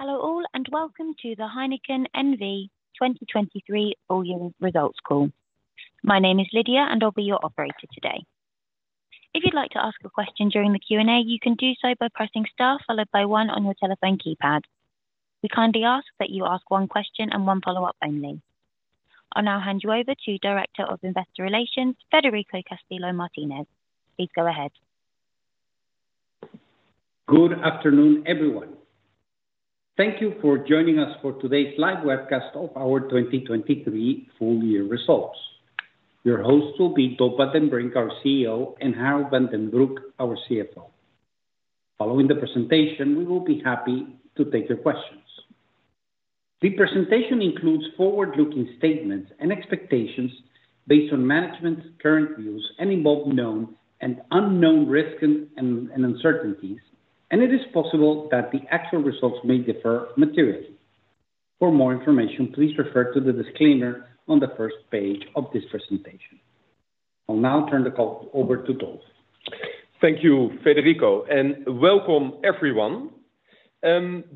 Hello all, and welcome to the Heineken N.V. 2023 full year results call. My name is Lydia, and I'll be your operator today. If you'd like to ask a question during the Q&A, you can do so by pressing star followed by one on your telephone keypad. We kindly ask that you ask one question and one follow-up only. I'll now hand you over to Director of Investor Relations, Federico Castillo Martinez. Please go ahead. Good afternoon, everyone. Thank you for joining us for today's live webcast of our 2023 full year results. Your hosts will be Dolf van den Brink, our CEO, and Harold van den Broek, our CFO. Following the presentation, we will be happy to take your questions. The presentation includes forward-looking statements and expectations based on management's current views and involve known and unknown risks and uncertainties, and it is possible that the actual results may differ materially. For more information, please refer to the disclaimer on the first page of this presentation. I'll now turn the call over to Dolf. Thank you, Federico, and welcome, everyone.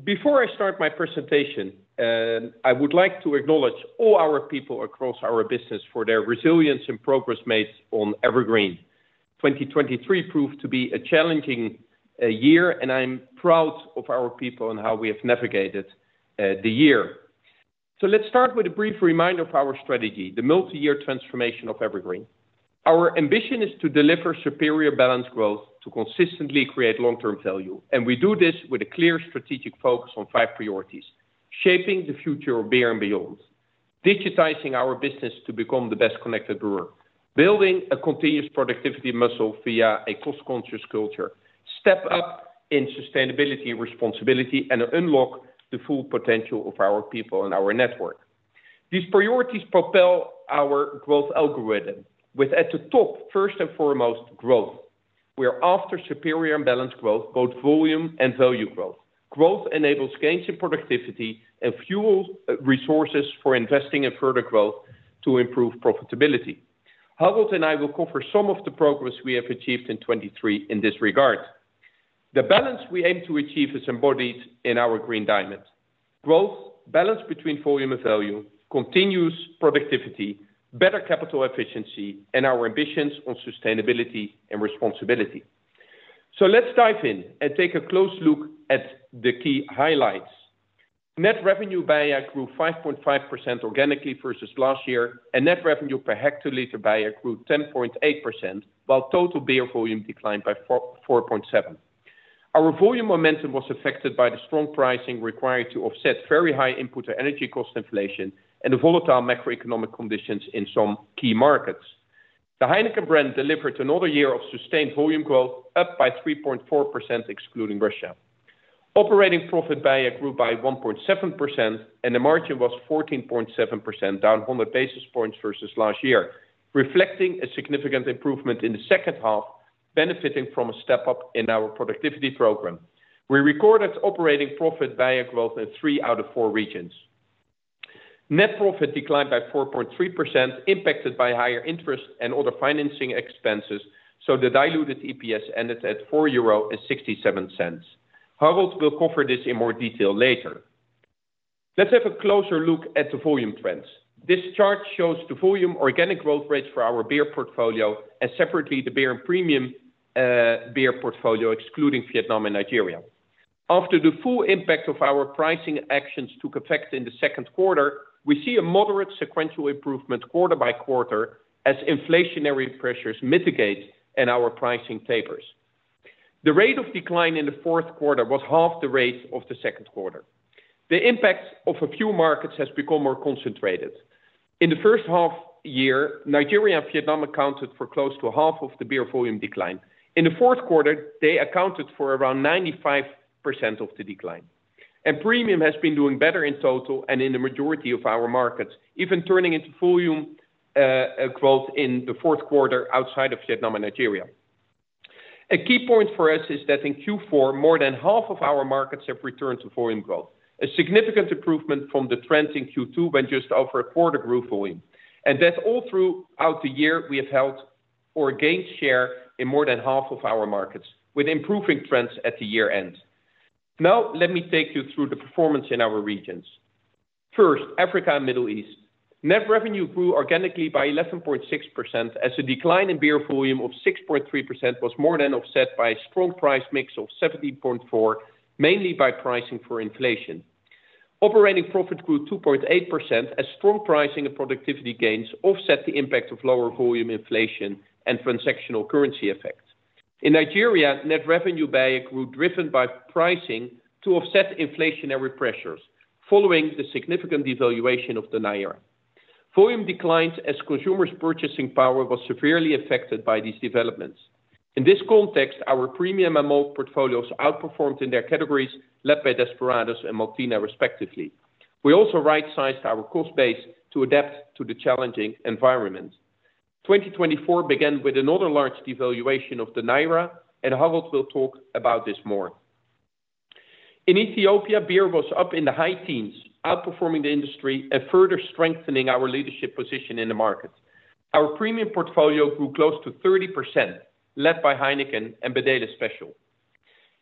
Before I start my presentation, I would like to acknowledge all our people across our business for their resilience and progress made on EverGreen. 2023 proved to be a challenging year, and I'm proud of our people and how we have navigated the year. So let's start with a brief reminder of our strategy, the multi-year transformation of EverGreen. Our ambition is to deliver superior balanced growth to consistently create long-term value, and we do this with a clear strategic focus on five priorities: shaping the future of beer and beyond, digitizing our business to become the best-connected brewer, building a continuous productivity muscle via a cost-conscious culture, step up in sustainability and responsibility, and unlock the full potential of our people and our network. These priorities propel our growth algorithm with, at the top, first and foremost, growth. We are after superior and balanced growth, both volume and value growth. Growth enables gains in productivity and fuels resources for investing in further growth to improve profitability. Harold and I will cover some of the progress we have achieved in 2023 in this regard. The balance we aim to achieve is embodied in our green diamond. Growth, balance between volume and value, continuous productivity, better capital efficiency, and our ambitions on sustainability and responsibility. So let's dive in and take a close look at the key highlights. Net revenue per hectoliter grew 5.5% organically versus last year, and net revenue per hectoliter grew 10.8%, while total beer volume declined by 4.7%. Our volume momentum was affected by the strong pricing required to offset very high input and energy cost inflation and the volatile macroeconomic conditions in some key markets. The Heineken brand delivered another year of sustained volume growth, up by 3.4%, excluding Russia. Operating profit BEIA grew by 1.7%, and the margin was 14.7%, down 100 basis points versus last year, reflecting a significant improvement in the second half, benefiting from a step up in our productivity program. We recorded operating profit BEIA growth in three out of four regions. Net profit declined by 4.3%, impacted by higher interest and other financing expenses, so the diluted EPS ended at 4.67 euro. Harold will cover this in more detail later. Let's have a closer look at the volume trends. This chart shows the volume organic growth rates for our beer portfolio and separately, the beer and premium beer portfolio, excluding Vietnam and Nigeria. After the full impact of our pricing actions took effect in the Q2, we see a moderate sequential improvement quarter by quarter as inflationary pressures mitigate and our pricing tapers. The rate of decline in the Q4 was half the rate of the Q2. The impact of a few markets has become more concentrated. In the first half year, Nigeria and Vietnam accounted for close to half of the beer volume decline. In the Q4, they accounted for around 95% of the decline. Premium has been doing better in total and in the majority of our markets, even turning into volume growth in the Q4 outside of Vietnam and Nigeria. A key point for us is that in Q4, more than half of our markets have returned to volume growth, a significant improvement from the trends in Q2, when just over a quarter grew volume. And that's all throughout the year, we have held or gained share in more than half of our markets, with improving trends at the year-end. Now, let me take you through the performance in our regions. First, Africa and Middle East. Net revenue grew organically by 11.6%, as a decline in beer volume of 6.3% was more than offset by a strong price mix of 17.4%, mainly by pricing for inflation. Operating profit grew 2.8%, as strong pricing and productivity gains offset the impact of lower volume inflation and transactional currency effects. In Nigeria, net revenue grew, driven by pricing to offset inflationary pressures following the significant devaluation of the naira. Volume declined as consumers' purchasing power was severely affected by these developments. In this context, our premium and malt portfolios outperformed in their categories, led by Desperados and Maltina, respectively. We also right-sized our cost base to adapt to the challenging environment. 2024 began with another large devaluation of the naira, and Harold will talk about this more. In Ethiopia, beer was up in the high teens, outperforming the industry and further strengthening our leadership position in the market. Our premium portfolio grew close to 30%, led by Heineken and Bedele Special.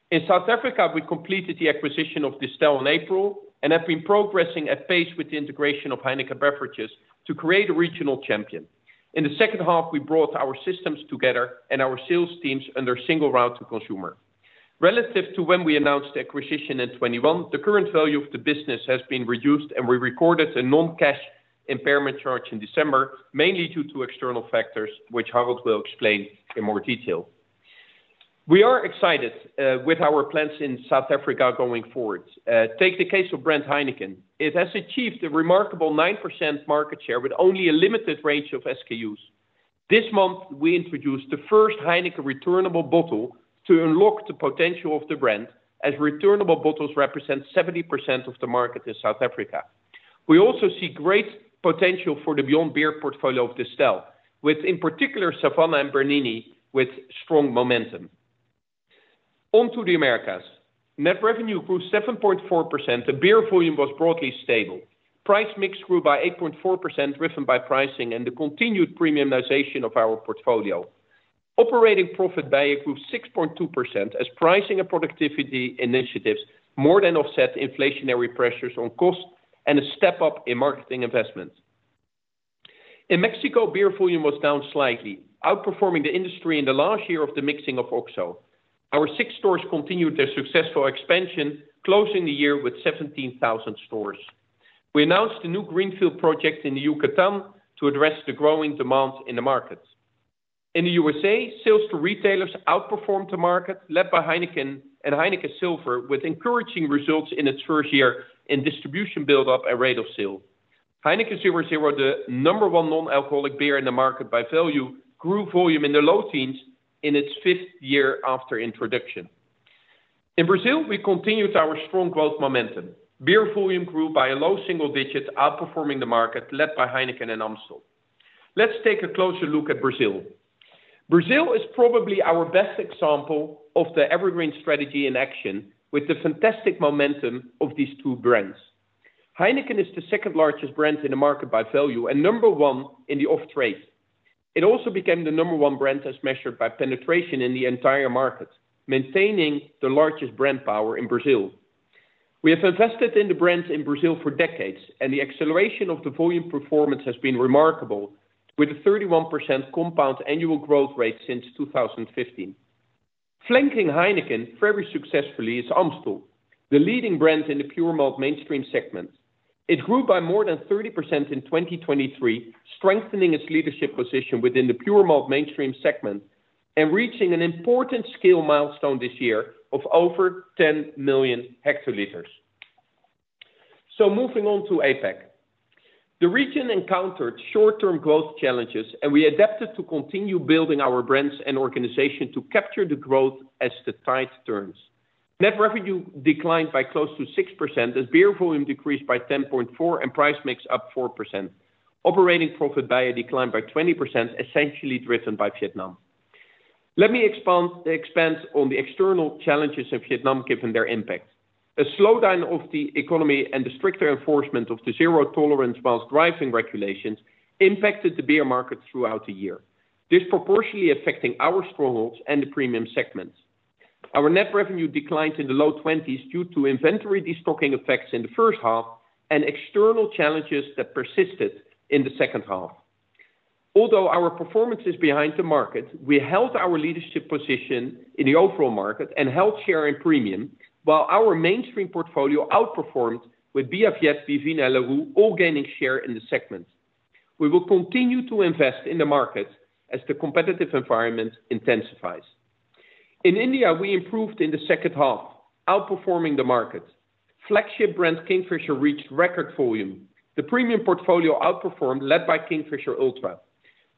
In South Africa, we completed the acquisition of Distell in April, and have been progressing at pace with the integration of HEINEKEN Beverages to create a regional champion. In the second half, we brought our systems together and our sales teams under single route to consumer. Relative to when we announced the acquisition in 2021, the current value of the business has been reduced, and we recorded a non-cash impairment charge in December, mainly due to external factors, which Harold will explain in more detail. We are excited with our plans in South Africa going forward. Take the case of brand Heineken. It has achieved a remarkable 9% market share with only a limited range of SKUs. This month, we introduced the first Heineken returnable bottle to unlock the potential of the brand, as returnable bottles represent 70% of the market in South Africa. We also see great potential for the beyond beer portfolio of Distell, with, in particular, Savanna and Bernini, with strong momentum. On to the Americas. Net revenue grew 7.4%. The beer volume was broadly stable. Price mix grew by 8.4%, driven by pricing and the continued premiumization of our portfolio. Operating profit improved 6.2%, as pricing and productivity initiatives more than offset the inflationary pressures on cost and a step up in marketing investments. In Mexico, beer volume was down slightly, outperforming the industry in the last year of the mixing of OXXO. OXXO stores continued their successful expansion, closing the year with 17,000 stores. We announced a new greenfield project in the Yucatan to address the growing demand in the market. In the USA, sales to retailers outperformed the market, led by Heineken and Heineken Silver, with encouraging results in its first year in distribution build up and rate of sale. Heineken consumers here were the number one non-alcoholic beer in the market by value, grew volume in the low teens in its fifth year after introduction. In Brazil, we continued our strong growth momentum. Beer volume grew by a low single digits, outperforming the market led by Heineken and Amstel. Let's take a closer look at Brazil. Brazil is probably our best example of the EverGreen strategy in action, with the fantastic momentum of these two brands. Heineken is the second largest brand in the market by value and number one in the off trade. It also became the number one brand as measured by penetration in the entire market, maintaining the largest brand power in Brazil. We have invested in the brands in Brazil for decades, and the acceleration of the volume performance has been remarkable, with a 31% compound annual growth rate since 2015. Flanking Heineken very successfully is Amstel, the leading brand in the pure malt mainstream segment. It grew by more than 30% in 2023, strengthening its leadership position within the pure malt mainstream segment and reaching an important scale milestone this year of over 10 million hectoliters. So moving on to APAC. The region encountered short-term growth challenges, and we adapted to continue building our brands and organization to capture the growth as the tide turns. Net revenue declined by close to 6%, as beer volume decreased by 10.4% and price mix up 4%. Operating profit by a decline by 20%, essentially driven by Vietnam. Let me expand on the external challenges in Vietnam, given their impact. A slowdown of the economy and the stricter enforcement of the zero tolerance while driving regulations impacted the beer market throughout the year, disproportionately affecting our strongholds and the premium segments. Our net revenue declined in the low-20% due to inventory de-stocking effects in the first half, and external challenges that persisted in the second half. Although our performance is behind the market, we held our leadership position in the overall market and held share in premium, while our mainstream portfolio outperformed with FYS, Bia Viet, and Larue, all gaining share in the segment. We will continue to invest in the market as the competitive environment intensifies. In India, we improved in the second half, outperforming the market. Flagship brand Kingfisher reached record volume. The premium portfolio outperformed, led by Kingfisher Ultra.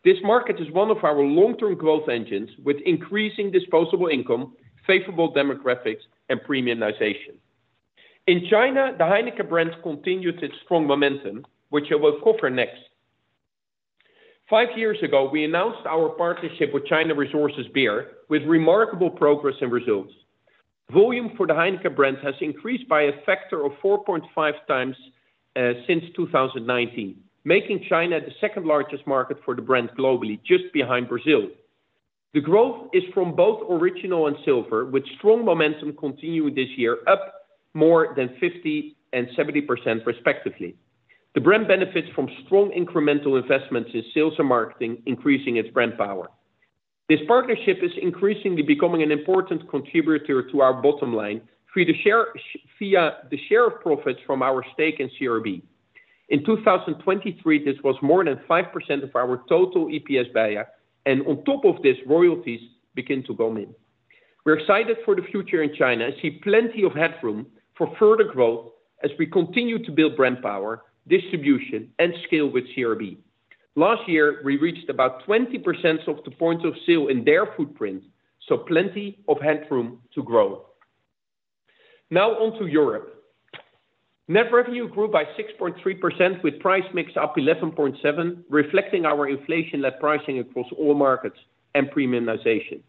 This market is one of our long-term growth engines, with increasing disposable income, favorable demographics and premiumization. In China, the Heineken brand continued its strong momentum, which I will cover next. Five years ago, we announced our partnership with China Resources Beer, with remarkable progress and results. Volume for the Heineken brand has increased by a factor of 4.5 times since 2019, making China the second largest market for the brand globally, just behind Brazil. The growth is from both original and silver, with strong momentum continuing this year, up more than 50% and 70% respectively. The brand benefits from strong incremental investments in sales and marketing, increasing its brand power. This partnership is increasingly becoming an important contributor to our bottom line, via the share of profits from our stake in CRB. In 2023, this was more than 5% of our total EPS BEIA, and on top of this, royalties begin to come in. We're excited for the future in China and see plenty of headroom for further growth as we continue to build brand power, distribution, and scale with CRB. Last year, we reached about 20% of the points of sale in their footprint, so plenty of headroom to grow. Now on to Europe. Net revenue grew by 6.3%, with price mix up 11.7, reflecting our inflation-led pricing across all markets and premiumization.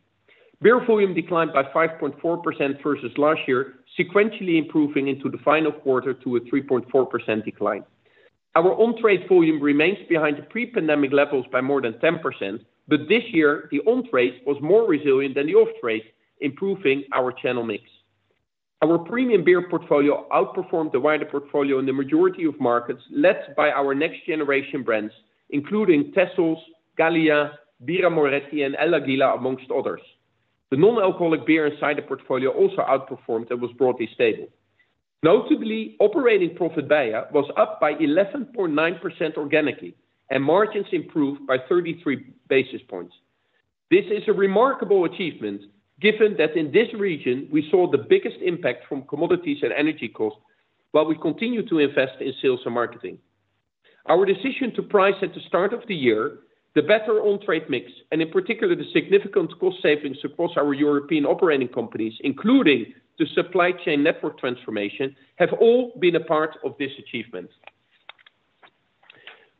Beer volume declined by 5.4% versus last year, sequentially improving into the final quarter to a 3.4% decline. Our on-trade volume remains behind the pre-pandemic levels by more than 10%, but this year, the on-trade was more resilient than the off-trade, improving our channel mix. Our premium beer portfolio outperformed the wider portfolio in the majority of markets, led by our next generation brands, including Tessos, Gallia, Birra Moretti, and El Águila, among others. The non-alcoholic beer inside the portfolio also outperformed and was broadly stable. Notably, operating profit BEIA was up by 11.9% organically, and margins improved by 33 basis points. This is a remarkable achievement, given that in this region we saw the biggest impact from commodities and energy costs, while we continue to invest in sales and marketing. Our decision to price at the start of the year, the better on-trade mix, and in particular, the significant cost savings across our European operating companies, including the supply chain network transformation, have all been a part of this achievement.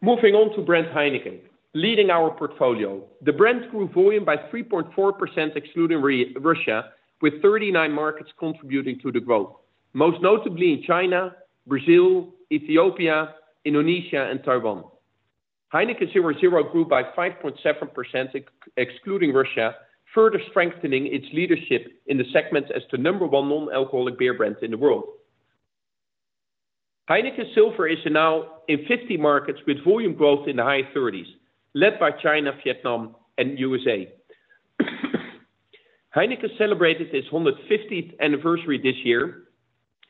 Moving on to Brand Heineken. Leading our portfolio, the brand grew volume by 3.4%, excluding Russia, with 39 markets contributing to the growth, most notably in China, Brazil, Ethiopia, Indonesia, and Taiwan. Heineken 0.0 grew by 5.7%, excluding Russia, further strengthening its leadership in the segment as the number one non-alcoholic beer brand in the world. Heineken Silver is now in 50 markets with volume growth in the high 30s, led by China, Vietnam, and USA. Heineken celebrated its 150th anniversary this year,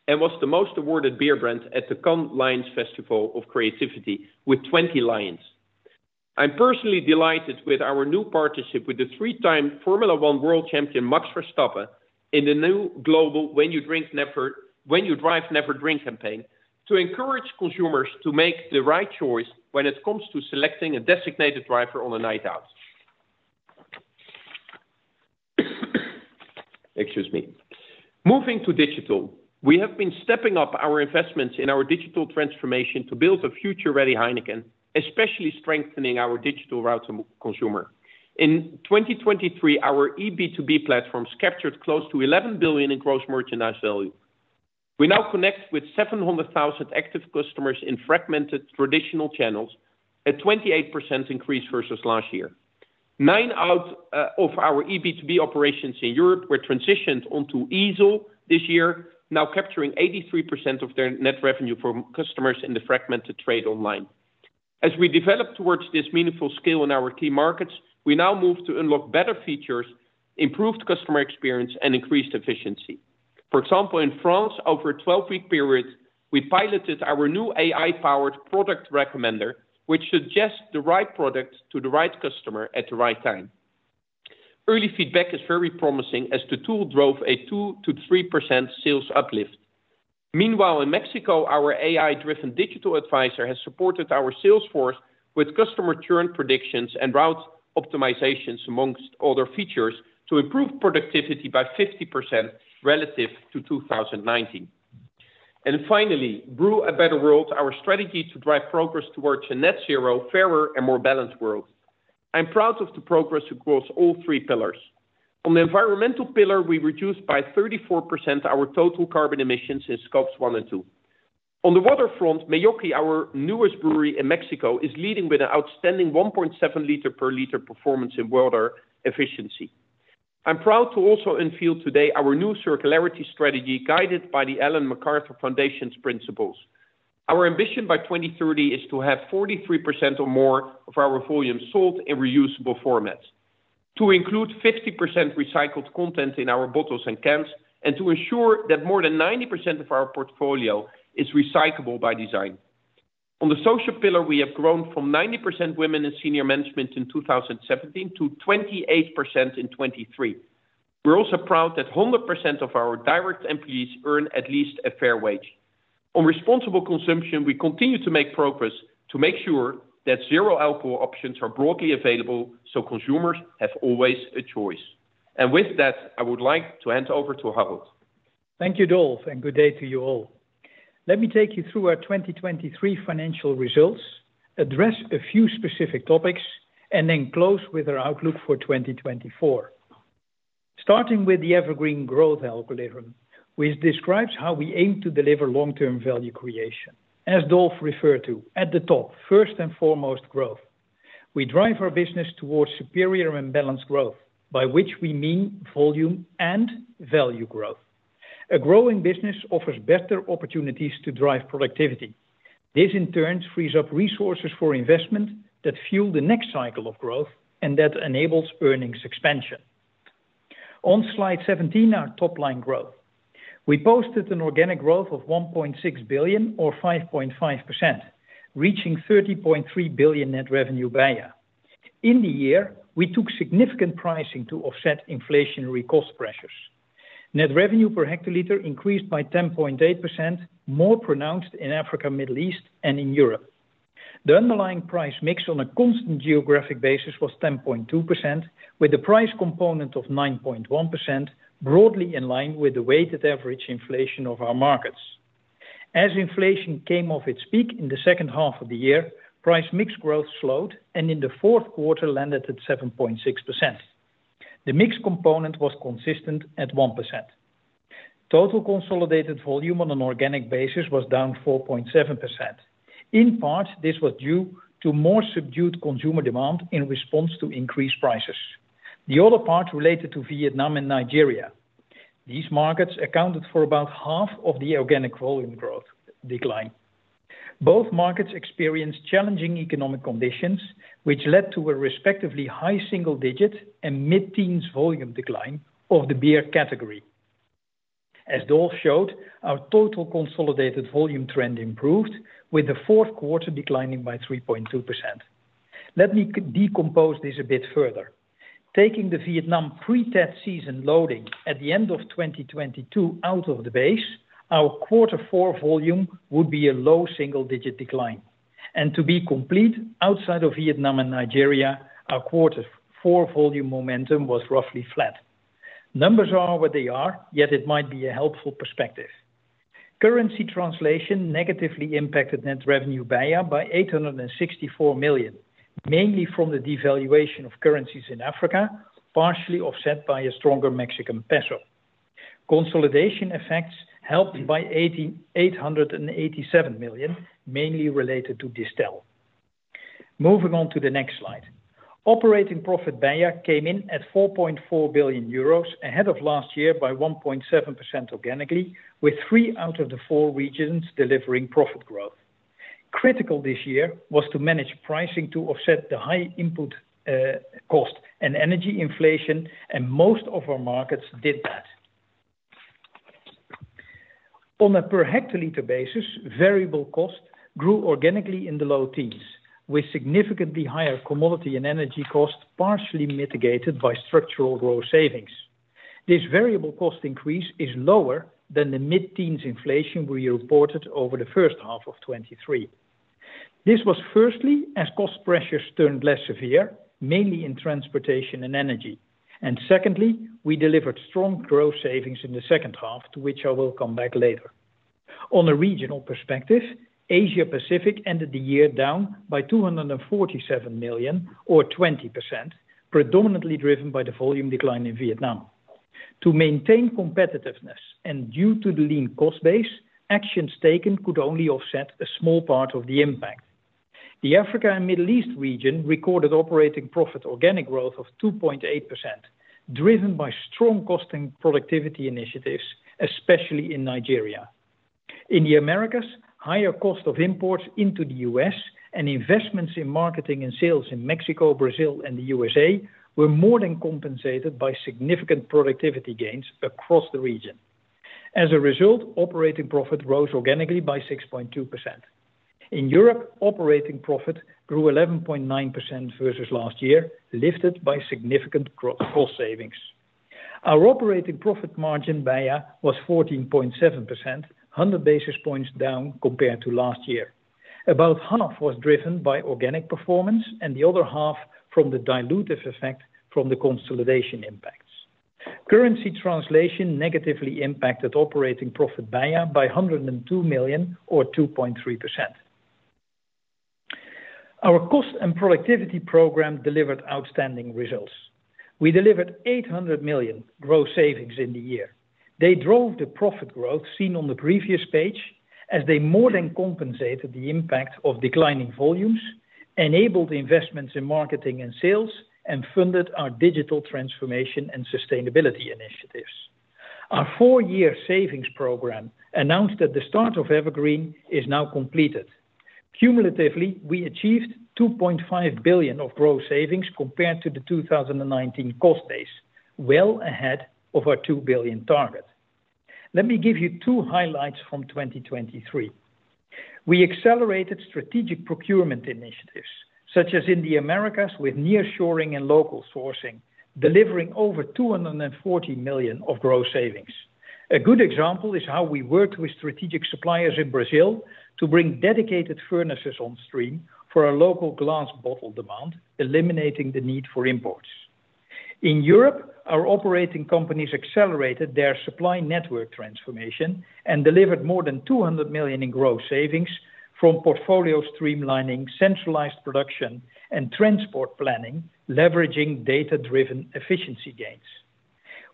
and was the most awarded beer brand at the Cannes Lions Festival of Creativity with 20 Lions. I'm personally delighted with our new partnership with the three-time Formula One World Champion, Max Verstappen, in the new global When You Drink Never-- When You Drive, Never Drink campaign, to encourage consumers to make the right choice when it comes to selecting a designated driver on a night out. Excuse me. Moving to digital. We have been stepping up our investments in our digital transformation to build a future-ready Heineken, especially strengthening our digital route to consumer. In 2023, our EB2B platforms captured close to 11 billion in gross merchandise value. We now connect with 700,000 active customers in fragmented traditional channels, at 28% increase versus last year. Nine out of our EB2B operations in Europe were transitioned onto Easel this year, now capturing 83% of their net revenue from customers in the fragmented trade online. As we develop towards this meaningful scale in our key markets, we now move to unlock better features, improved customer experience, and increased efficiency. For example, in France, over a 12-week period, we piloted our new AI-powered product recommender, which suggests the right product to the right customer at the right time. Early feedback is very promising, as the tool drove a 2%-3% sales uplift. Meanwhile, in Mexico, our AI-driven digital advisor has supported our sales force with customer churn predictions and route optimizations, amongst other features, to improve productivity by 50% relative to 2019. And finally, Brew a Better World, our strategy to drive progress towards a net zero, fairer, and more balanced world. I'm proud of the progress across all three pillars. On the environmental pillar, we reduced by 34% our total carbon emissions in Scopes 1 and 2. On the water front, Meoqui, our newest brewery in Mexico, is leading with an outstanding 1.7 liter per liter performance in water efficiency. I'm proud to also unveil today our new circularity strategy, guided by the Ellen MacArthur Foundation's principles. Our ambition by 2030 is to have 43% or more of our volume sold in reusable formats, to include 50% recycled content in our bottles and cans, and to ensure that more than 90% of our portfolio is recyclable by design. On the social pillar, we have grown from 90% women in senior management in 2017 to 28% in 2023. We're also proud that 100% of our direct employees earn at least a fair wage. On responsible consumption, we continue to make progress to make sure that zero alcohol options are broadly available, so consumers have always a choice. With that, I would like to hand over to Harold. Thank you, Dolf, and good day to you all. Let me take you through our 2023 financial results, address a few specific topics, and then close with our outlook for 2024. Starting with the EverGreen growth algorithm, which describes how we aim to deliver long-term value creation. As Dolf referred to, at the top, first and foremost, growth. We drive our business towards superior and balanced growth, by which we mean volume and value growth. A growing business offers better opportunities to drive productivity. This, in turn, frees up resources for investment that fuel the next cycle of growth, and that enables earnings expansion. On Slide 17, our top-line growth. We posted an organic growth of 1.6 billion or 5.5%, reaching 30.3 billion net revenue BEIA. In the year, we took significant pricing to offset inflationary cost pressures. Net revenue per hectoliter increased by 10.8%, more pronounced in Africa, Middle East, and Europe. The underlying price mix on a constant geographic basis was 10.2%, with a price component of 9.1%, broadly in line with the weighted average inflation of our markets. As inflation came off its peak in the second half of the year, price mix growth slowed, and in the Q4 landed at 7.6%. The mix component was consistent at 1%. Total consolidated volume on an organic basis was down 4.7%. In part, this was due to more subdued consumer demand in response to increased prices. The other part related to Vietnam and Nigeria. These markets accounted for about half of the organic volume growth decline. Both markets experienced challenging economic conditions, which led to a respectively high single digit and mid-teens volume decline of the beer category. As Dolf showed, our total consolidated volume trend improved, with the Q4 declining by 3.2%. Let me decompose this a bit further. Taking the Vietnam pre-Tet season loading at the end of 2022 out of the base, our quarter four volume would be a low single-digit decline. And to be complete, outside of Vietnam and Nigeria, our quarter four volume momentum was roughly flat. Numbers are what they are, yet it might be a helpful perspective. Currency translation negatively impacted net revenue, BEIA, by 864 million, mainly from the devaluation of currencies in Africa, partially offset by a stronger Mexican peso. Consolidation effects helped by 887 million, mainly related to Distell. Moving on to the next slide. Operating profit, BEIA, came in at 4.4 billion euros, ahead of last year by 1.7% organically, with three out of the four regions delivering profit growth. Critical this year was to manage pricing to offset the high input cost and energy inflation, and most of our markets did that. On a per hectoliter basis, variable cost grew organically in the low teens, with significantly higher commodity and energy costs, partially mitigated by structural growth savings. This variable cost increase is lower than the mid-teens inflation we reported over the first half of 2023. This was firstly, as cost pressures turned less severe, mainly in transportation and energy. And secondly, we delivered strong growth savings in the second half, to which I will come back later. On a regional perspective, Asia Pacific ended the year down by 247 million, or 20%, predominantly driven by the volume decline in Vietnam. To maintain competitiveness and due to the lean cost base, actions taken could only offset a small part of the impact. The Africa and Middle East region recorded operating profit organic growth of 2.8%, driven by strong cost and productivity initiatives, especially in Nigeria. In the Americas, higher cost of imports into the US and investments in marketing and sales in Mexico, Brazil, and the USA were more than compensated by significant productivity gains across the region. As a result, operating profit rose organically by 6.2%. In Europe, operating profit grew 11.9% versus last year, lifted by significant cost savings. Our operating profit margin, BEIA, was 14.7%, 100 basis points down compared to last year. About half was driven by organic performance, and the other half from the dilutive effect from the consolidation impacts. Currency translation negatively impacted operating profit, BEIA, by 102 million or 2.3%. Our cost and productivity program delivered outstanding results. We delivered 800 million growth savings in the year. They drove the profit growth seen on the previous page, as they more than compensated the impact of declining volumes, enabled investments in marketing and sales, and funded our digital transformation and sustainability initiatives. Our four-year savings program, announced at the start of EverGreen, is now completed. Cumulatively, we achieved 2.5 billion of gross savings compared to the 2019 cost base, well ahead of our 2 billion target. Let me give you two highlights from 2023. We accelerated strategic procurement initiatives, such as in the Americas, with nearshoring and local sourcing, delivering over 240 million of gross savings. A good example is how we worked with strategic suppliers in Brazil to bring dedicated furnaces on stream for our local glass bottle demand, eliminating the need for imports. In Europe, our operating companies accelerated their supply network transformation and delivered more than 200 million in gross savings from portfolio streamlining, centralized production, and transport planning, leveraging data-driven efficiency gains.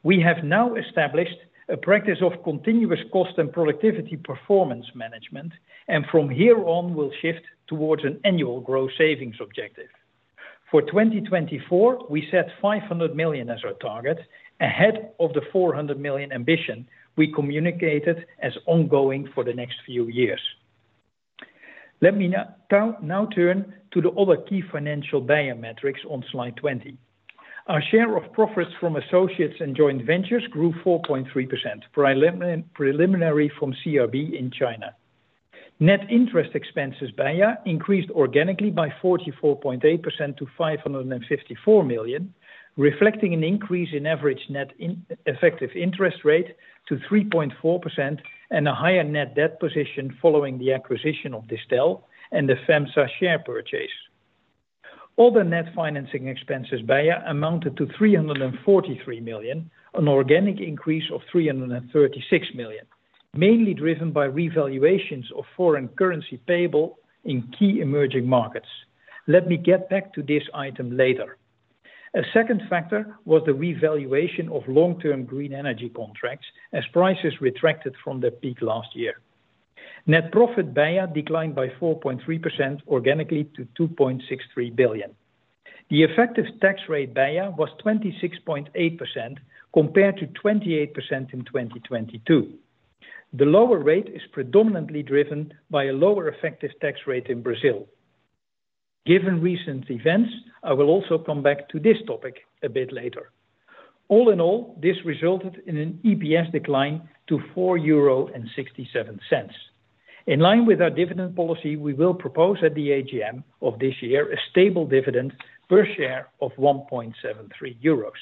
We have now established a practice of continuous cost and productivity performance management, and from here on, we'll shift towards an annual growth savings objective. For 2024, we set 500 million as our target, ahead of the 400 million ambition we communicated as ongoing for the next few years. Let me now turn to the other key financial BEIA metrics on slide 20. Our share of profits from associates and joint ventures grew 4.3%, preliminary from CR Beer in China. Net interest expenses, BEIA, increased organically by 44.8% to 554 million, reflecting an increase in average net effective interest rate to 3.4% and a higher net debt position following the acquisition of Distell and the FEMSA share purchase. All the net financing expenses by amounted to 343 million, an organic increase of 336 million, mainly driven by revaluations of foreign currency payable in key emerging markets. Let me get back to this item later. A second factor was the revaluation of long-term green energy contracts as prices retracted from their peak last year. Net profit, BEIA, declined by 4.3% organically to 2.63 billion. The effective tax rate, BEIA, was 26.8%, compared to 28% in 2022. The lower rate is predominantly driven by a lower effective tax rate in Brazil. Given recent events, I will also come back to this topic a bit later. All in all, this resulted in an EPS decline to 4.67 euro. In line with our dividend policy, we will propose at the AGM of this year, a stable dividend per share of 1.73 euros.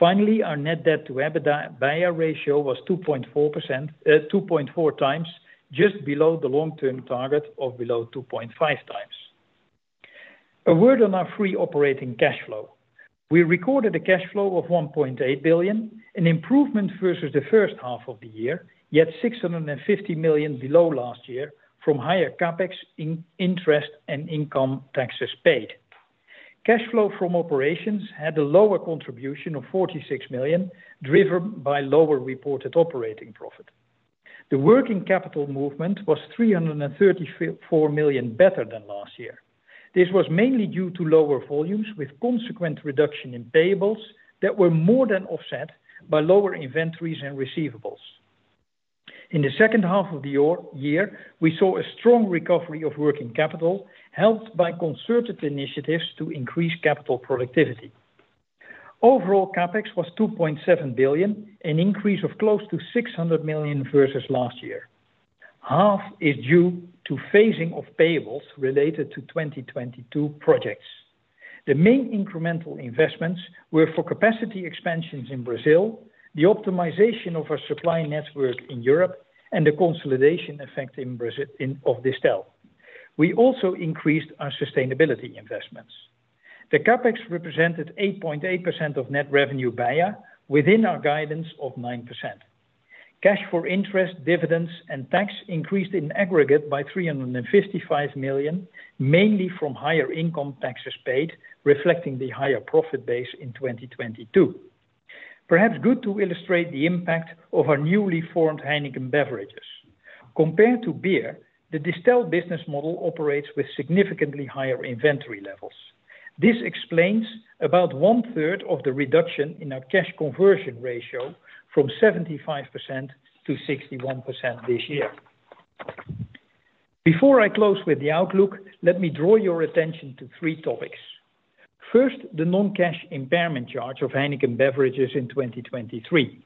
Finally, our net debt to EBITDA, BEIA ratio was 2.4x, just below the long-term target of below 2.5x. A word on our free operating cash flow. We recorded a cash flow of 1.8 billion, an improvement versus the first half of the year, yet 650 million below last year from higher CapEx, interest, and income taxes paid. Cash flow from operations had a lower contribution of 46 million, driven by lower reported operating profit. The working capital movement was 334 million better than last year. This was mainly due to lower volumes, with consequent reduction in payables that were more than offset by lower inventories and receivables. In the second half of the year, we saw a strong recovery of working capital, helped by concerted initiatives to increase capital productivity. Overall, CapEx was 2.7 billion, an increase of close to 600 million versus last year. Half is due to phasing of payables related to 2022 projects. The main incremental investments were for capacity expansions in Brazil, the optimization of our supply network in Europe, and the consolidation effect in Brazil of Distell. We also increased our sustainability investments. The CapEx represented 8.8% of net revenue, BEIA, within our guidance of 9%. Cash for interest, dividends, and tax increased in aggregate by 355 million, mainly from higher income taxes paid, reflecting the higher profit base in 2022. Perhaps good to illustrate the impact of our newly formed Heineken Beverages. Compared to beer, the Distell business model operates with significantly higher inventory levels. This explains about one-third of the reduction in our cash conversion ratio from 75% to 61% this year. Before I close with the outlook, let me draw your attention to three topics. First, the non-cash impairment charge of Heineken Beverages in 2023.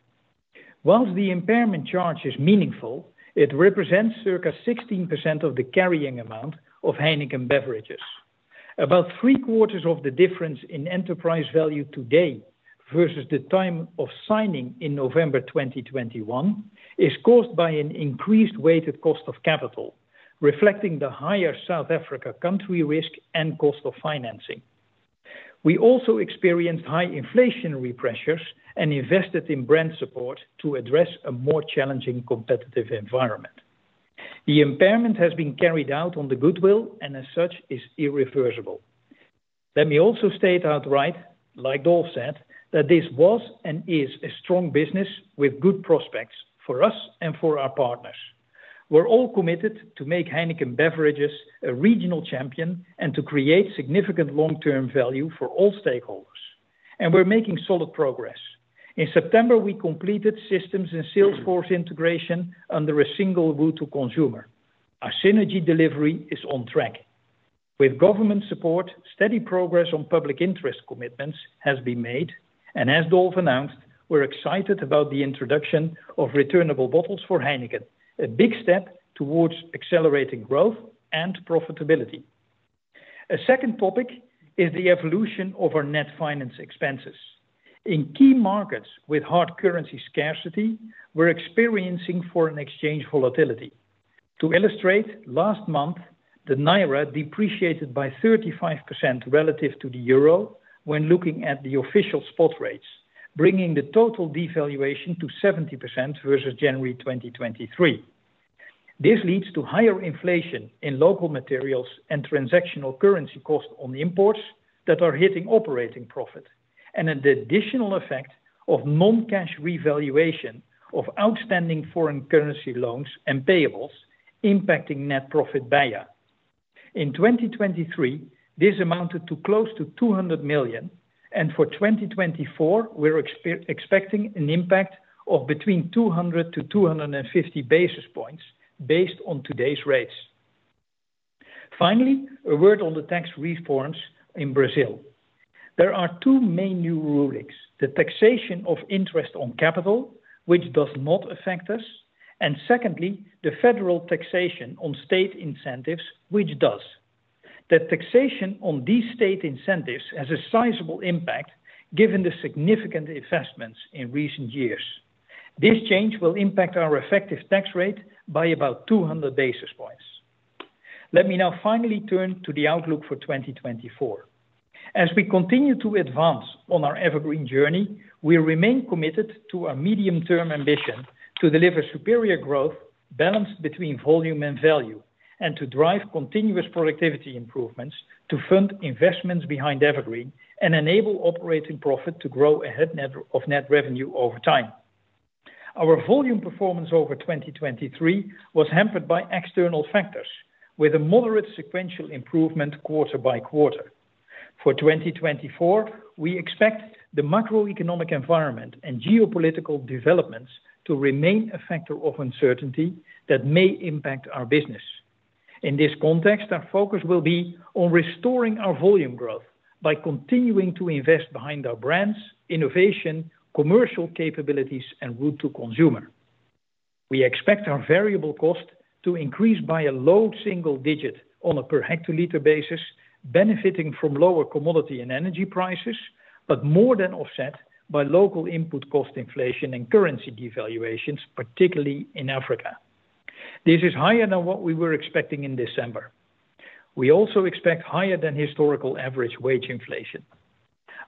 While the impairment charge is meaningful, it represents circa 16% of the carrying amount of Heineken Beverages. About three-quarters of the difference in enterprise value today versus the time of signing in November 2021, is caused by an increased weighted cost of capital, reflecting the higher South Africa country risk and cost of financing. We also experienced high inflationary pressures and invested in brand support to address a more challenging competitive environment. The impairment has been carried out on the goodwill and as such, is irreversible. Let me also state outright, like Dolf said, that this was and is a strong business with good prospects for us and for our partners. We're all committed to make Heineken Beverages a regional champion and to create significant long-term value for all stakeholders, and we're making solid progress. In September, we completed systems and salesforce integration under a single route to consumer. Our synergy delivery is on track. With government support, steady progress on public interest commitments has been made, and as Dolf announced, we're excited about the introduction of returnable bottles for Heineken, a big step towards accelerating growth and profitability. A second topic is the evolution of our net finance expenses. In key markets with hard currency scarcity, we're experiencing foreign exchange volatility. To illustrate, last month, the Naira depreciated by 35% relative to the euro when looking at the official spot rates, bringing the total devaluation to 70% versus January 2023. This leads to higher inflation in local materials and transactional currency costs on imports that are hitting operating profit, and an additional effect of non-cash revaluation of outstanding foreign currency loans and payables impacting net profit, BEIA. In 2023, this amounted to close to 200 million, and for 2024, we're expecting an impact of between 200-250 basis points based on today's rates. Finally, a word on the tax reforms in Brazil. There are two main new rubrics: the taxation of interest on capital, which does not affect us, and secondly, the federal taxation on state incentives, which does. The taxation on these state incentives has a sizable impact given the significant investments in recent years. This change will impact our effective tax rate by about 200 basis points. Let me now finally turn to the outlook for 2024. As we continue to advance on our EverGreen journey, we remain committed to our medium-term ambition to deliver superior growth, balanced between volume and value, and to drive continuous productivity improvements to fund investments behind EverGreen and enable operating profit to grow ahead of net revenue over time. Our volume performance over 2023 was hampered by external factors, with a moderate sequential improvement quarter by quarter. For 2024, we expect the macroeconomic environment and geopolitical developments to remain a factor of uncertainty that may impact our business. In this context, our focus will be on restoring our volume growth by continuing to invest behind our brands, innovation, commercial capabilities, and route to consumer. We expect our variable cost to increase by a low single digit on a per hectoliter basis, benefiting from lower commodity and energy prices, but more than offset by local input cost inflation and currency devaluations, particularly in Africa. This is higher than what we were expecting in December. We also expect higher than historical average wage inflation.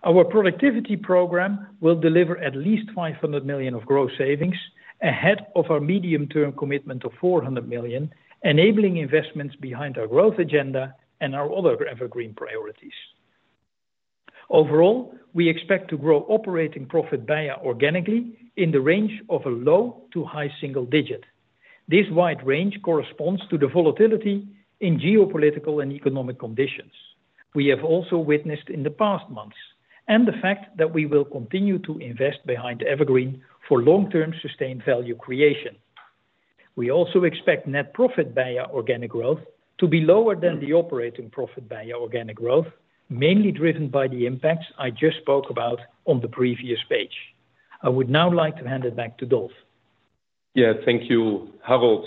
Our productivity program will deliver at least 500 million of gross savings, ahead of our medium-term commitment of 400 million, enabling investments behind our growth agenda and our other EverGreen priorities. Overall, we expect to grow operating profit by organically in the range of a low to high single digit. This wide range corresponds to the volatility in geopolitical and economic conditions we have also witnessed in the past months, and the fact that we will continue to invest behind EverGreen for long-term sustained value creation. We also expect net profit by our organic growth to be lower than the operating profit by our organic growth, mainly driven by the impacts I just spoke about on the previous page. I would now like to hand it back to Dolf. Yeah, thank you, Harold.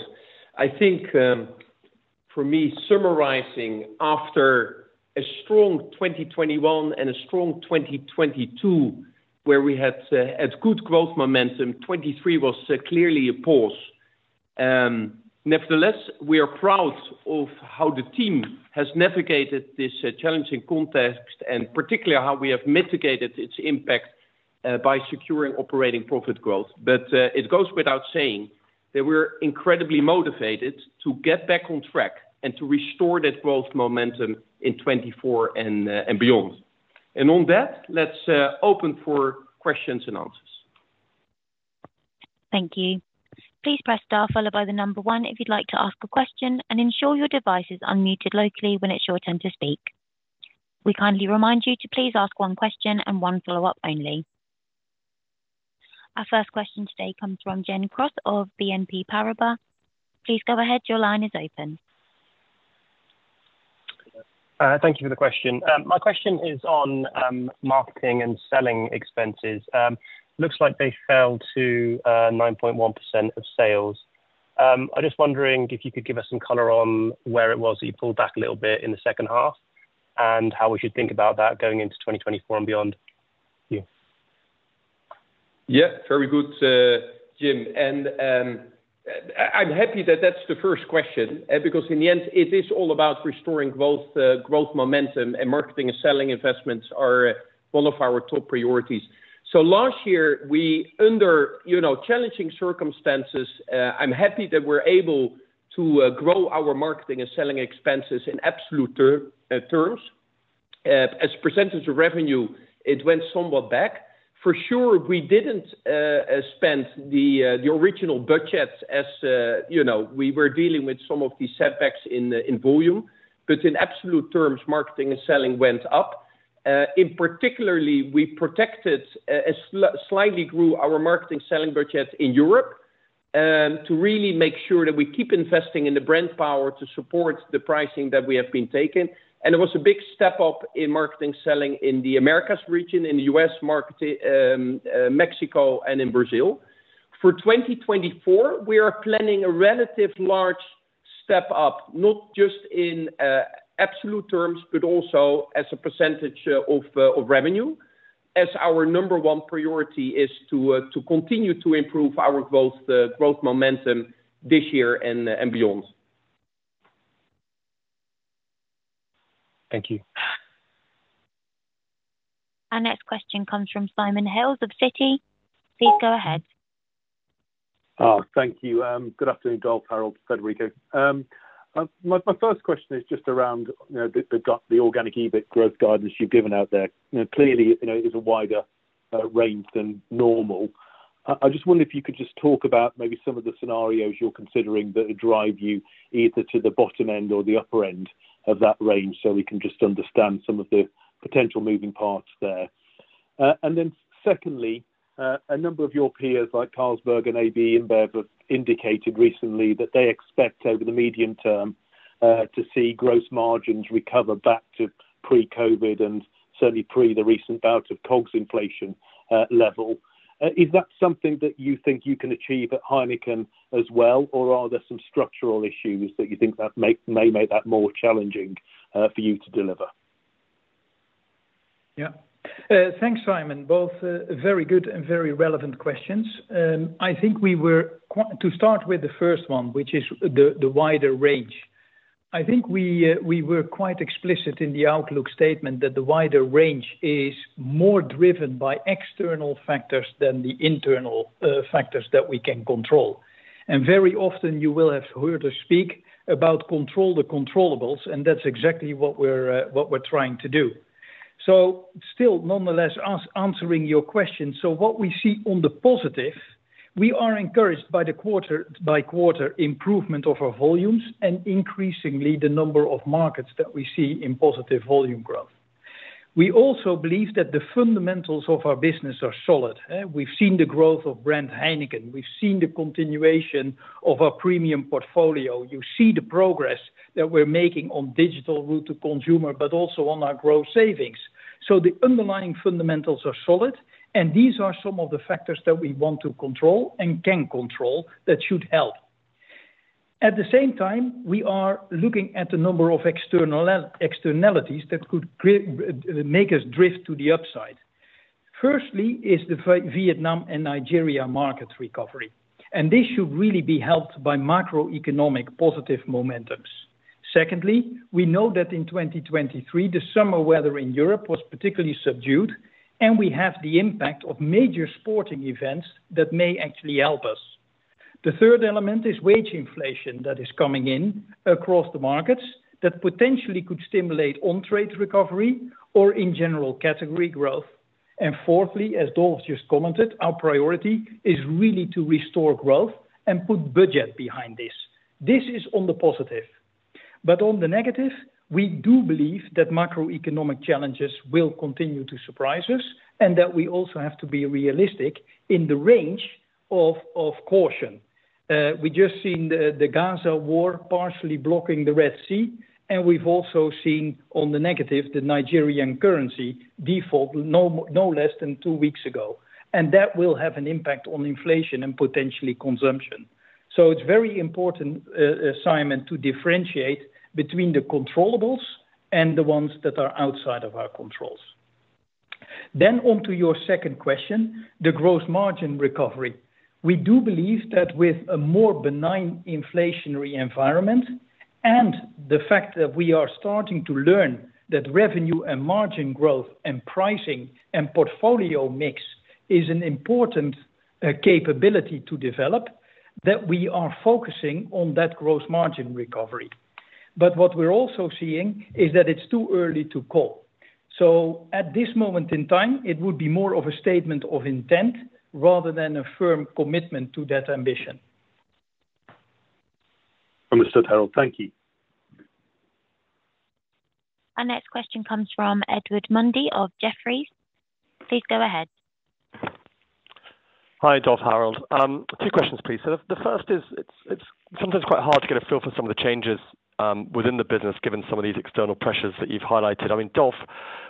I think, for me, summarizing after a strong 2021 and a strong 2022, where we had good growth momentum, 2023 was clearly a pause. Nevertheless, we are proud of how the team has navigated this challenging context, and particularly how we have mitigated its impact by securing operating profit growth. But it goes without saying that we're incredibly motivated to get back on track and to restore that growth momentum in 2024 and beyond. And on that, let's open for questions and answers. Thank you. Please press Star, followed by the number one if you'd like to ask a question, and ensure your device is unmuted locally when it's your turn to speak. We kindly remind you to please ask one question and one follow-up only. Our first question today comes from Jim Cross of BNP Paribas. Please go ahead. Your line is open. Thank you for the question. My question is on marketing and selling expenses. Looks like they fell to 9.1% of sales. I'm just wondering if you could give us some color on where it was that you pulled back a little bit in the second half, and how we should think about that going into 2024 and beyond. Thank you. Yeah, very good, Jim. And, I, I'm happy that that's the first question, because in the end, it is all about restoring both, growth, momentum and marketing and selling investments are one of our top priorities. So last year, we under, you know, challenging circumstances, I'm happy that we're able to, grow our marketing and selling expenses in absolute terms. As a percentage of revenue, it went somewhat back. For sure, we didn't spend the original budget as... you know, we were dealing with some of the setbacks in, in volume, but in absolute terms, marketing and selling went up. In particular, we protected, slightly grew our marketing selling budget in Europe, to really make sure that we keep investing in the brand power to support the pricing that we have been taking. And there was a big step up in marketing, selling in the Americas region, in the U.S. market, Mexico and in Brazil. For 2024, we are planning a relatively large step up, not just in absolute terms, but also as a percentage of revenue, as our number one priority is to continue to improve our growth momentum this year and beyond. Thank you. Our next question comes from Simon Hales of Citi. Please go ahead. Oh, thank you. Good afternoon, Dolf, Harold, Federico. My first question is just around, you know, the organic EBIT growth guidance you've given out there. You know, clearly, you know, it is a wider range than normal. I just wonder if you could just talk about maybe some of the scenarios you're considering that drive you either to the bottom end or the upper end of that range, so we can just understand some of the potential moving parts there. And then secondly, a number of your peers, like Carlsberg and AB InBev, have indicated recently that they expect over the medium term to see gross margins recover back to pre-COVID and certainly pre the recent bout of COGS inflation level. Is that something that you think you can achieve at Heineken as well, or are there some structural issues that you think that may make that more challenging for you to deliver? Yeah. Thanks, Simon. Both, very good and very relevant questions. I think we were quite to start with the first one, which is the wider range. I think we were quite explicit in the outlook statement that the wider range is more driven by external factors than the internal factors that we can control. And very often, you will have heard us speak about control the controllables, and that's exactly what we're trying to do. So still, nonetheless, us answering your question, so what we see on the positive, we are encouraged by the quarter by quarter improvement of our volumes, and increasingly, the number of markets that we see in positive volume growth. We also believe that the fundamentals of our business are solid. We've seen the growth of brand Heineken. We've seen the continuation of our premium portfolio. You see the progress that we're making on digital route to consumer, but also on our growth savings. So the underlying fundamentals are solid, and these are some of the factors that we want to control and can control that should help. At the same time, we are looking at a number of external externalities that could create, make us drift to the upside. Firstly, it's the Vietnam and Nigeria market recovery, and this should really be helped by macroeconomic positive momentums. Secondly, we know that in 2023, the summer weather in Europe was particularly subdued, and we have the impact of major sporting events that may actually help us. The third element is wage inflation that is coming in across the markets, that potentially could stimulate on trade recovery or in general, category growth. And fourthly, as Dolf just commented, our priority is really to restore growth and put budget behind this. This is on the positive. But on the negative, we do believe that macroeconomic challenges will continue to surprise us, and that we also have to be realistic in the range of caution. We just seen the Gaza war partially blocking the Red Sea, and we've also seen on the negative, the Nigerian currency devaluation, not less than two weeks ago, and that will have an impact on inflation and potentially consumption. So it's very important, Simon, to differentiate between the controllables and the ones that are outside of our controls. Then on to your second question, the growth margin recovery. We do believe that with a more benign inflationary environment and the fact that we are starting to learn that revenue and margin growth and pricing and portfolio mix is an important capability to develop, that we are focusing on that growth margin recovery. But what we're also seeing is that it's too early to call. At this moment in time, it would be more of a statement of intent rather than a firm commitment to that ambition. Understood, Harold. Thank you. Our next question comes from Edward Mundy of Jefferies. Please go ahead. Hi, Dolf, Harold. Two questions, please. The first is, it's sometimes quite hard to get a feel for some of the changes within the business, given some of these external pressures that you've highlighted. I mean, Dolf,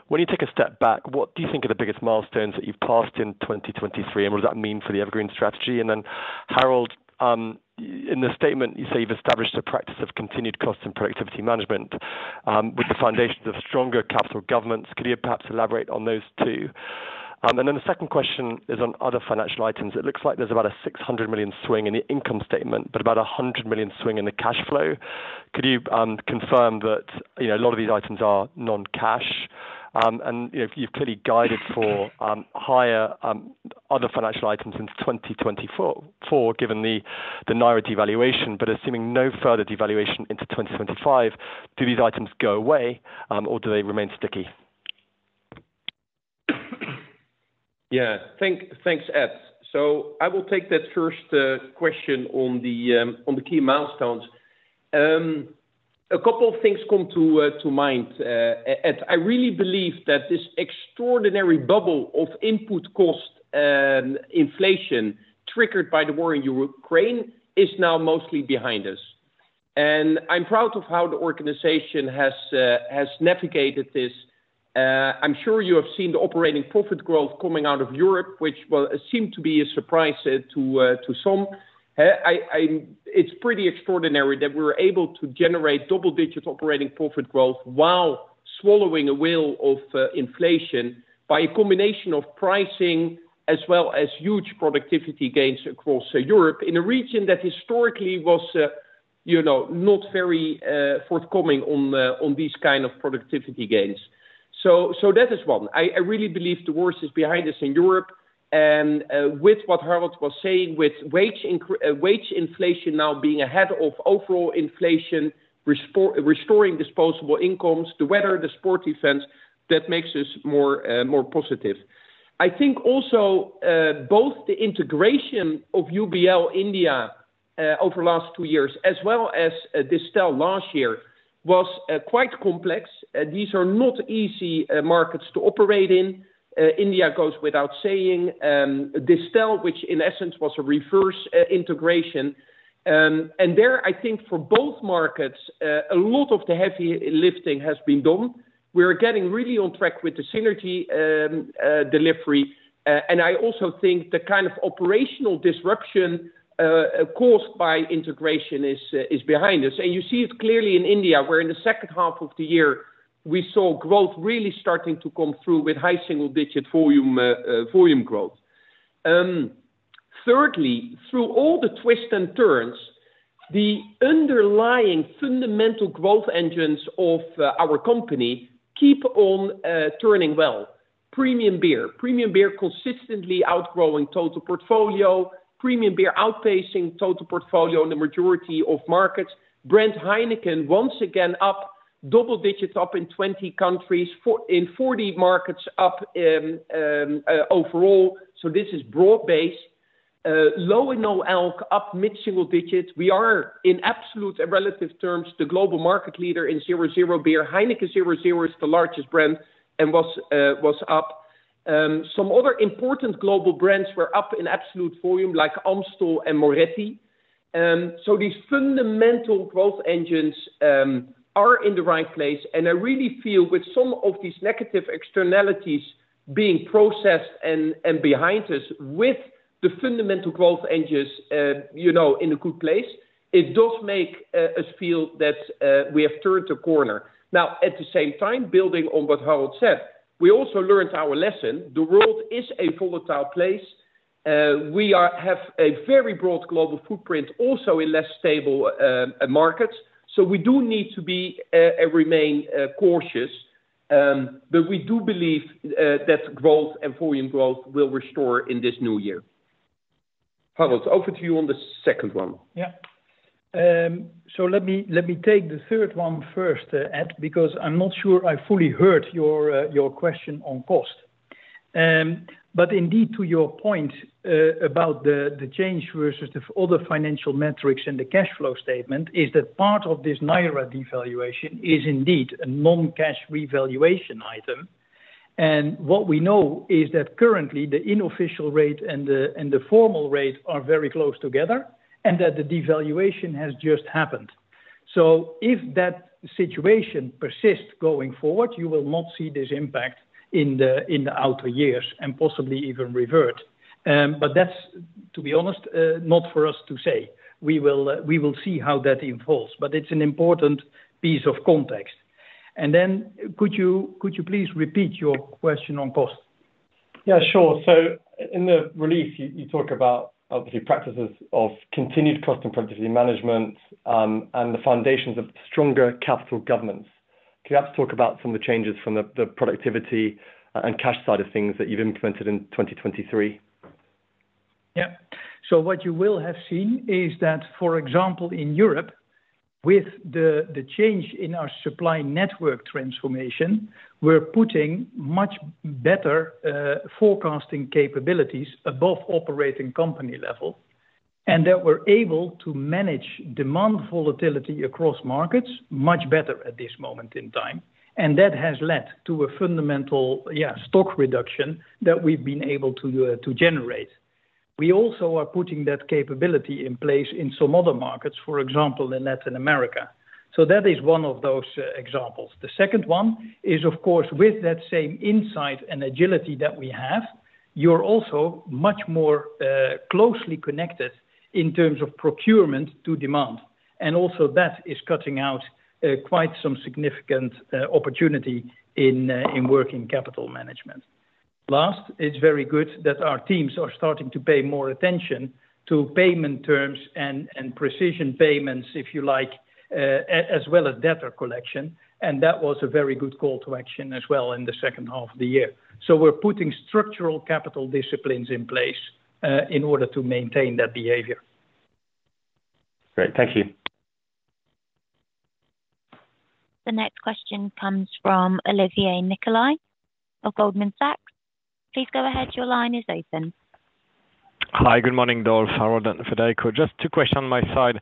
when you take a step back, what do you think are the biggest milestones that you've passed in 2023, and what does that mean for the EverGreen strategy? Then, Harold, in the statement, you say you've established a practice of continued cost and productivity management, with the foundations of stronger capital governance. Could you perhaps elaborate on those two? The second question is on other financial items. It looks like there's about a 600 million swing in the income statement, but about a 100 million swing in the cash flow. Could you, confirm that, you know, a lot of these items are non-cash? And, you know, you've clearly guided for higher other financial items in 2024, given the naira devaluation, but assuming no further devaluation into 2025, do these items go away, or do they remain sticky? Yeah. Thanks, Ed. So I will take that first question on the key milestones. A couple of things come to mind. Ed, I really believe that this extraordinary bubble of input cost and inflation triggered by the war in Ukraine is now mostly behind us, and I'm proud of how the organization has navigated this. I'm sure you have seen the operating profit growth coming out of Europe, which, well, seemed to be a surprise to some. I... It's pretty extraordinary that we're able to generate double-digit operating profit growth while swallowing a whale of inflation by a combination of pricing, as well as huge productivity gains across Europe, in a region that historically was, you know, not very forthcoming on these kind of productivity gains. So that is one. I really believe the worst is behind us in Europe, and with what Harold was saying, with wage inflation now being ahead of overall inflation, restoring disposable incomes, the weather, the sports events, that makes us more positive. I think also both the integration of UBL India over the last two years, as well as Distell last year, was quite complex. These are not easy markets to operate in. India goes without saying, Distell, which in essence was a reverse integration. And there, I think for both markets, a lot of the heavy lifting has been done. We're getting really on track with the synergy, delivery, and I also think the kind of operational disruption, caused by integration is, is behind us. You see it clearly in India, where in the second half of the year, we saw growth really starting to come through with high single digit volume, volume growth. Thirdly, through all the twists and turns, the underlying fundamental growth engines of, our company keep on, turning well. Premium beer. Premium beer consistently outgrowing total portfolio. Premium beer outpacing total portfolio in the majority of markets. Brand Heineken, once again, up double digits, up in 20 countries, in 40 markets, up overall, so this is broad-based. Low and no alk up mid-single digits. We are in absolute and relative terms, the global market leader in zero zero beer. Heineken 0.0 is the largest brand and was up. Some other important global brands were up in absolute volume, like Amstel and Moretti. So these fundamental growth engines are in the right place, and I really feel with some of these negative externalities being processed and behind us with the fundamental growth engines, you know, in a good place, it does make us feel that we have turned a corner. Now, at the same time, building on what Harold said, we also learned our lesson. The world is a volatile place. We have a very broad global footprint, also in less stable markets. So we do need to be and remain cautious. But we do believe that growth and volume growth will restore in this new year. Harold, over to you on the second one. Yeah. So let me, let me take the third one first, Ed, because I'm not sure I fully heard your, your question on cost. But indeed, to your point, about the, the change versus the other financial metrics and the cash flow statement, is that part of this Naira devaluation is indeed a non-cash revaluation item. And what we know is that currently, the unofficial rate and the formal rate are very close together, and that the devaluation has just happened. So if that situation persists going forward, you will not see this impact in the outer years and possibly even revert. But that's, to be honest, not for us to say. We will, we will see how that evolves, but it's an important piece of context. And then could you, could you please repeat your question on cost? Yeah, sure. So in the release, you talk about obviously practices of continued cost and productivity management, and the foundations of stronger capital governance. Could you perhaps talk about some of the changes from the productivity and cash side of things that you've implemented in 2023? Yeah. So what you will have seen is that, for example, in Europe, with the change in our supply network transformation, we're putting much better forecasting capabilities above operating company level. And that we're able to manage demand volatility across markets much better at this moment in time, and that has led to a fundamental stock reduction that we've been able to generate. We also are putting that capability in place in some other markets, for example, in Latin America. So that is one of those examples. The second one is, of course, with that same insight and agility that we have, you're also much more closely connected in terms of procurement to demand. And also that is cutting out quite some significant opportunity in working capital management. Last, it's very good that our teams are starting to pay more attention to payment terms and precision payments, if you like, as well as debtor collection, and that was a very good call to action as well in the second half of the year. So we're putting structural capital disciplines in place in order to maintain that behavior. Great. Thank you. The next question comes from Olivier Nicolai of Goldman Sachs. Please go ahead. Your line is open. Hi, good morning, Dolf, Harold, and Federico. Just two questions on my side.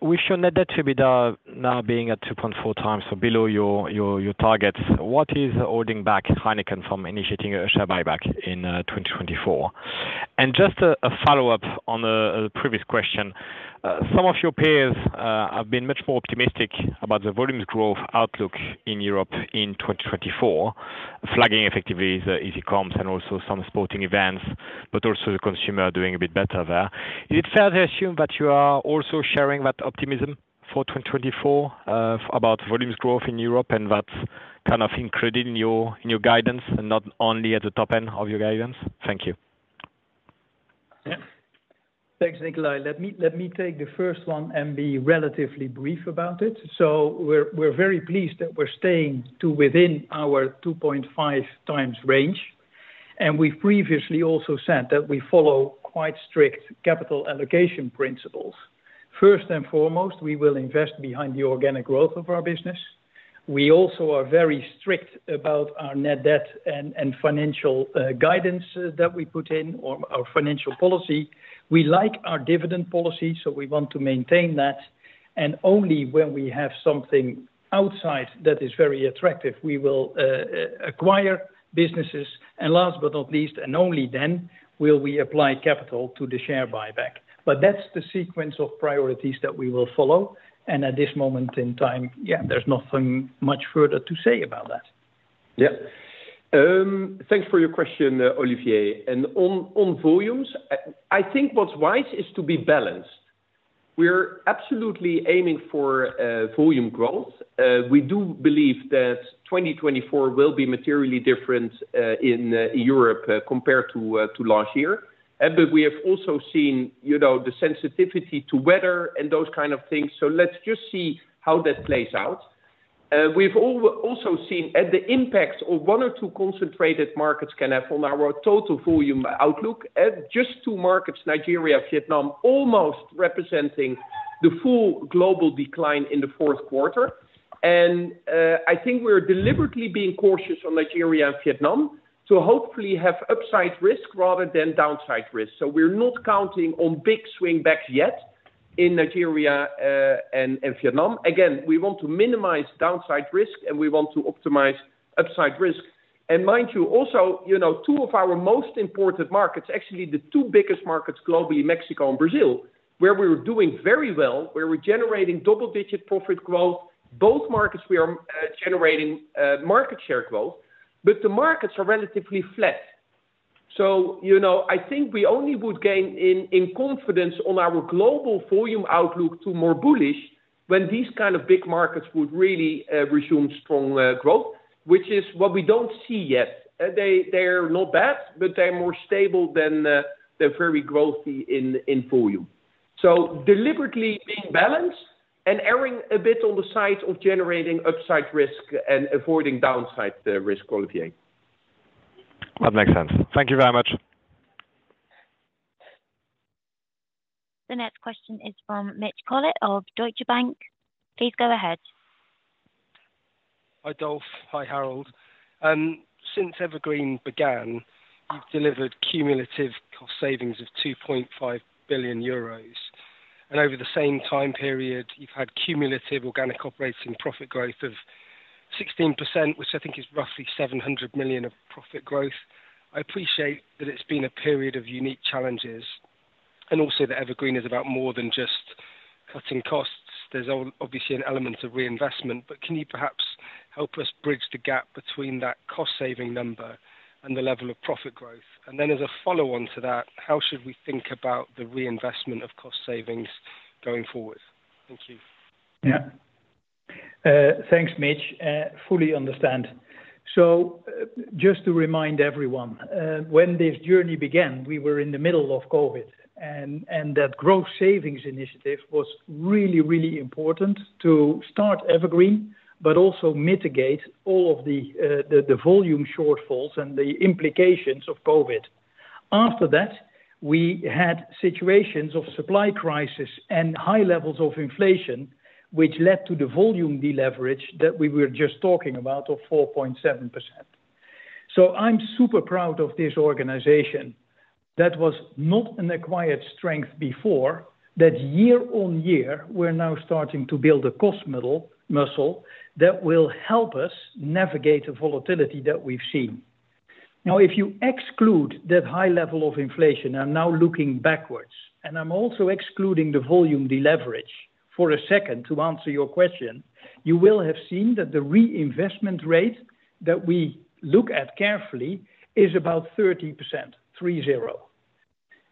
We show net debt to EBITDA now being at 2.4 times, so below your, your, your targets. What is holding back Heineken from initiating a share buyback in 2024? And just a follow-up on the previous question. Some of your peers have been much more optimistic about the volumes growth outlook in Europe in 2024, flagging effectively the easy comps and also some sporting events, but also the consumer doing a bit better there. Is it fair to assume that you are also sharing that optimism for 2024 about volumes growth in Europe and that's kind of included in your, in your guidance and not only at the top end of your guidance? Thank you. Yeah. Thanks, Nicolai. Let me, let me take the first one and be relatively brief about it. So we're, we're very pleased that we're staying to within our 2.5 times range, and we previously also said that we follow quite strict capital allocation principles. First and foremost, we will invest behind the organic growth of our business. We also are very strict about our net debt and, and financial guidance that we put in, or our financial policy. We like our dividend policy, so we want to maintain that, and only when we have something outside that is very attractive, we will acquire businesses. And last but not least, and only then, will we apply capital to the share buyback. But that's the sequence of priorities that we will follow, and at this moment in time, yeah, there's nothing much further to say about that. Yeah. Thanks for your question, Olivier. And on volumes, I think what's wise is to be balanced. We're absolutely aiming for volume growth. We do believe that 2024 will be materially different in Europe compared to last year. But we have also seen, you know, the sensitivity to weather and those kind of things. So let's just see how that plays out. We've also seen that the impact of one or two concentrated markets can have on our total volume outlook, and just two markets, Nigeria, Vietnam, almost representing the full global decline in the Q4. And I think we're deliberately being cautious on Nigeria and Vietnam to hopefully have upside risk rather than downside risk. So we're not counting on big swing backs yet in Nigeria and Vietnam. Again, we want to minimize downside risk, and we want to optimize upside risk. And mind you, also, you know, two of our most important markets, actually the two biggest markets globally, Mexico and Brazil, where we're doing very well, where we're generating double-digit profit growth. Both markets we are, generating, market share growth, but the markets are relatively flat. So, you know, I think we only would gain in, confidence on our global volume outlook to more bullish when these kind of big markets would really, resume strong, growth, which is what we don't see yet. They, they're not bad, but they're more stable than, they're very growthy in, volume. So deliberately being balanced and erroring a bit on the side of generating upside risk and avoiding downside the risk qualifier. That makes sense. Thank you very much. The next question is from Mitch Collett of Deutsche Bank. Please go ahead. Hi, Dolf. Hi, Harold. Since EverGreen began, you've delivered cumulative cost savings of 2.5 billion euros, and over the same time period, you've had cumulative organic operating profit growth of 16%, which I think is roughly 700 million of profit growth. I appreciate that it's been a period of unique challenges, and also that EverGreen is about more than just cutting costs. There's obviously an element of reinvestment, but can you perhaps help us bridge the gap between that cost-saving number and the level of profit growth? And then as a follow-on to that, how should we think about the reinvestment of cost savings going forward? Thank you. Yeah. Thanks, Mitch. Fully understand. So just to remind everyone, when this journey began, we were in the middle of COVID, and that growth savings initiative was really, really important to start EverGreen, but also mitigate all of the the volume shortfalls and the implications of COVID. After that, we had situations of supply crisis and high levels of inflation, which led to the volume deleverage that we were just talking about of 4.7%. So I'm super proud of this organization. That was not an acquired strength before, that year-on-year, we're now starting to build a cost model, muscle that will help us navigate the volatility that we've seen. Now, if you exclude that high level of inflation, I'm now looking backwards, and I'm also excluding the volume deleverage for a second to answer your question, you will have seen that the reinvestment rate that we look at carefully is about 30%,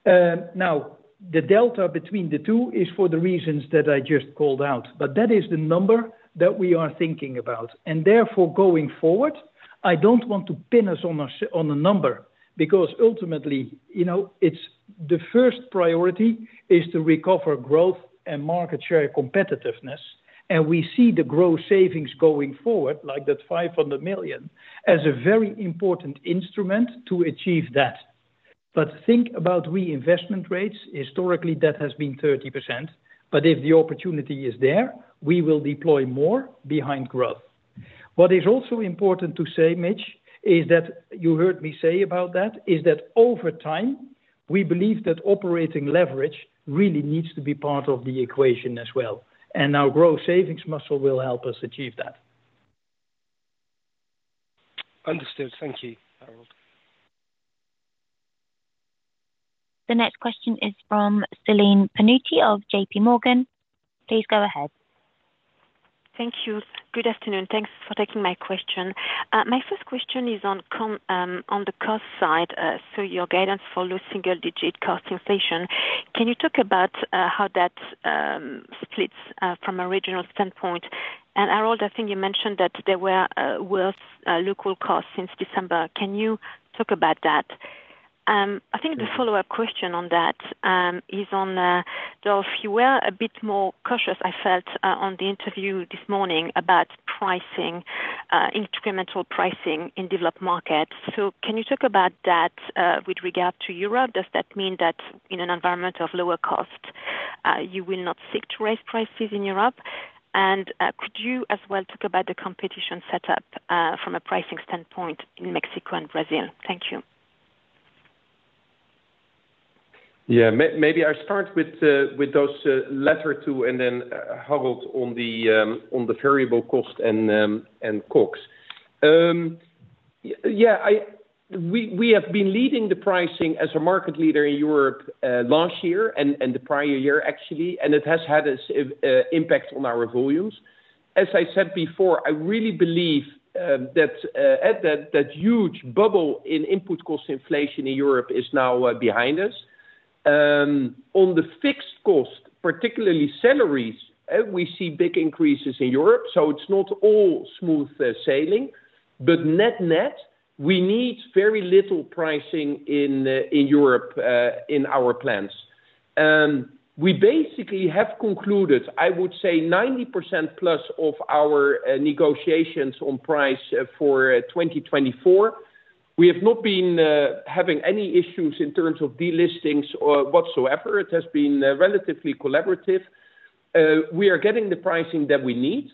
30. Now, the delta between the two is for the reasons that I just called out, but that is the number that we are thinking about. And therefore, going forward, I don't want to pin us on a on a number, because ultimately, you know, it's the first priority is to recover growth and market share competitiveness, and we see the growth savings going forward, like that 500 million, as a very important instrument to achieve that. But think about reinvestment rates. Historically, that has been 30%, but if the opportunity is there, we will deploy more behind growth. What is also important to say, Mitch, is that you heard me say about that, is that over time, we believe that operating leverage really needs to be part of the equation as well, and our growth savings muscle will help us achieve that. Understood. Thank you, Harold. The next question is from Celine Pannuti of JP Morgan. Please go ahead. Thank you. Good afternoon. Thanks for taking my question. My first question is on com, on the cost side, so your guidance for low single-digit cost inflation. Can you talk about how that splits from a regional standpoint? And Harold, I think you mentioned that there were worse local costs since December. Can you talk about that? I think the follow-up question on that is on Dolf, you were a bit more cautious, I felt, on the interview this morning about pricing, incremental pricing in developed markets. So can you talk about that with regard to Europe? Does that mean that in an environment of lower cost you will not seek to raise prices in Europe? Could you as well talk about the competition setup from a pricing standpoint in Mexico and Brazil? Thank you. Yeah. Maybe I start with those latter two, and then, Harold, on the variable cost and costs. Yeah, we have been leading the pricing as a market leader in Europe last year and the prior year, actually, and it has had a significant impact on our volumes. As I said before, I really believe that at that huge bubble in input cost inflation in Europe is now behind us. On the fixed cost, particularly salaries, we see big increases in Europe, so it's not all smooth sailing, but net-net, we need very little pricing in Europe in our plans. We basically have concluded, I would say, 90% plus of our negotiations on price for 2024. We have not been having any issues in terms of delistings or whatsoever. It has been relatively collaborative. We are getting the pricing that we need,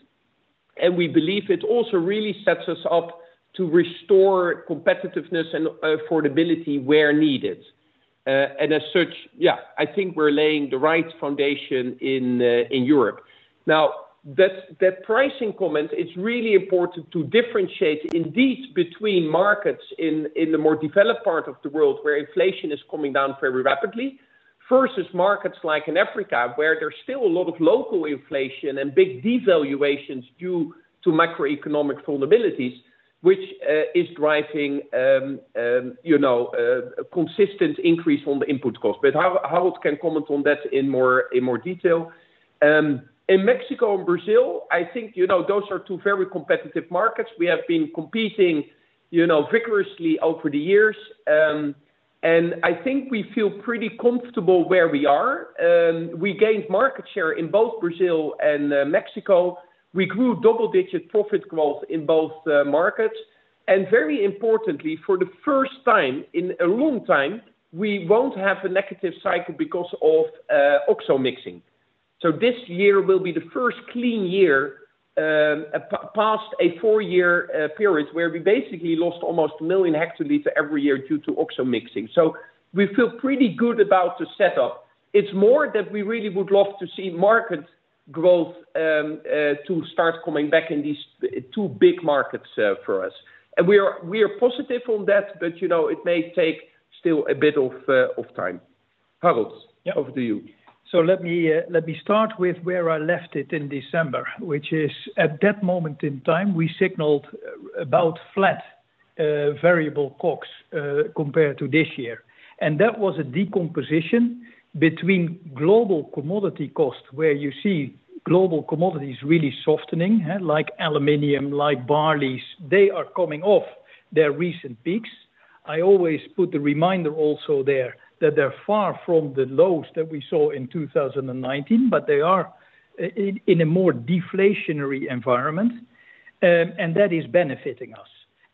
and we believe it also really sets us up to restore competitiveness and affordability where needed. And as such, yeah, I think we're laying the right foundation in Europe. Now, that pricing comment, it's really important to differentiate indeed between markets in the more developed part of the world, where inflation is coming down very rapidly. First is markets like in Africa, where there's still a lot of local inflation and big devaluations due to macroeconomic vulnerabilities, which is driving you know consistent increase on the input cost. But Harold can comment on that in more detail. In Mexico and Brazil, I think, you know, those are two very competitive markets. We have been competing, you know, vigorously over the years. And I think we feel pretty comfortable where we are. We gained market share in both Brazil and Mexico. We grew double-digit profit growth in both markets, and very importantly, for the first time in a long time, we won't have a negative cycle because of OXXO mixing. So this year will be the first clean year, past a four-year period, where we basically lost almost 1 million hectoliters every year due to OXXO mixing. So we feel pretty good about the setup. It's more that we really would love to see market growth to start coming back in these two big markets for us. And we are, we are positive on that, but, you know, it may take still a bit of time. Harold? Yeah. Over to you. So let me, let me start with where I left it in December, which is, at that moment in time, we signaled about flat, variable COGS, compared to this year. That was a decomposition between global commodity costs, where you see global commodities really softening. Like aluminum, like barleys, they are coming off their recent peaks. I always put the reminder also there, that they're far from the lows that we saw in 2019, but they are, in, in a more deflationary environment, and that is benefiting us.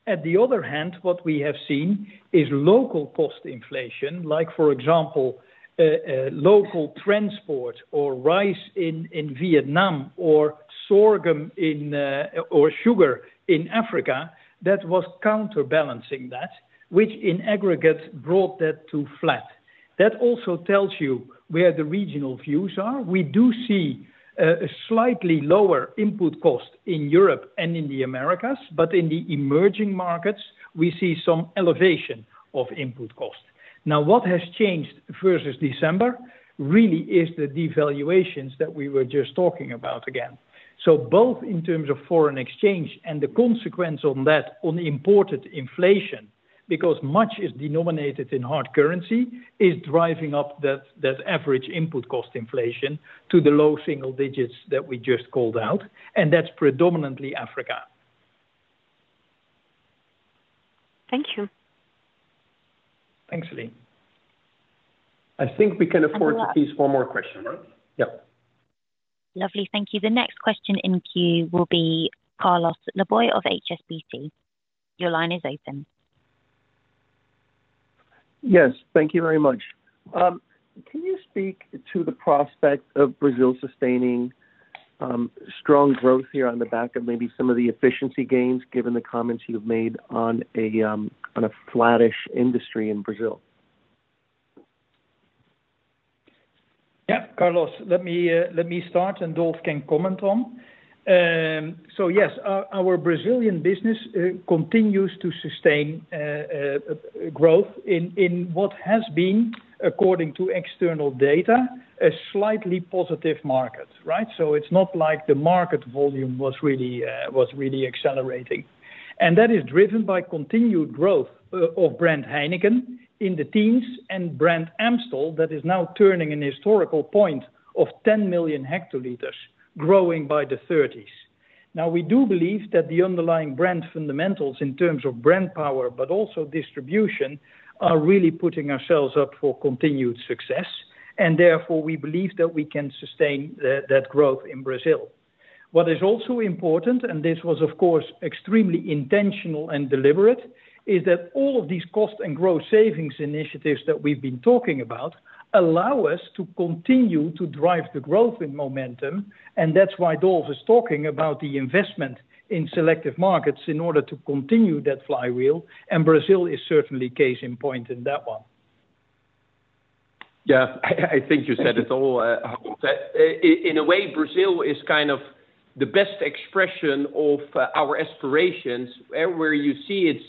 At the other hand, what we have seen is local cost inflation, like for example, local transport or rice in, in Vietnam, or sorghum in, or sugar in Africa, that was counterbalancing that, which in aggregate brought that to flat. That also tells you where the regional views are. We do see a slightly lower input cost in Europe and in the Americas, but in the emerging markets, we see some elevation of input cost. Now, what has changed versus December, really is the devaluations that we were just talking about again. So both in terms of foreign exchange and the consequence on that, on imported inflation, because much is denominated in hard currency, is driving up that average input cost inflation to the low single digits that we just called out, and that's predominantly Africa. Thank you. Thanks, Celine. I think we can afford to take one more question, right? Yeah. Lovely. Thank you. The next question in queue will be Carlos Laboy of HSBC. Your line is open. Yes, thank you very much. Can you speak to the prospect of Brazil sustaining strong growth here on the back of maybe some of the efficiency gains, given the comments you've made on a flattish industry in Brazil? Yeah, Carlos, let me, let me start, and Dolf can comment on. So yes, our, our Brazilian business, continues to sustain, growth in, in what has been, according to external data, a slightly positive market, right? So it's not like the market volume was really, was really accelerating. And that is driven by continued growth, of brand Heineken in the teens, and brand Amstel, that is now turning an historical point of 10 million hectoliters, growing by the thirties. Now, we do believe that the underlying brand fundamentals in terms of brand power, but also distribution, are really putting ourselves up for continued success, and therefore, we believe that we can sustain that, that growth in Brazil. What is also important, and this was, of course, extremely intentional and deliberate, is that all of these cost and growth savings initiatives that we've been talking about, allow us to continue to drive the growth and momentum, and that's why Dolf is talking about the investment in selective markets in order to continue that flywheel, and Brazil is certainly case in point in that one. Yeah, I think you said it all, Harold. In a way, Brazil is kind of the best expression of our aspirations, where you see it's